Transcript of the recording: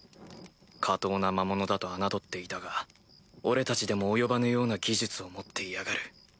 下等な魔物だと侮っていたが俺たちでも及ばぬような技術を持っていやがる。